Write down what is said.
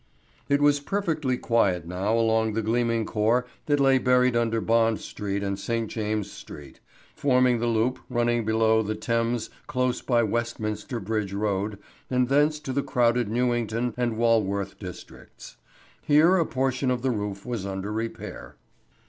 It was perfectly quiet now along the gleaming core that lay buried under Bond Street and St. James's Street, forming the loop running below the Thames close by Westminster Bridge Road and thence to the crowded Newington and Walworth districts. Here a portion of the roof was under repair.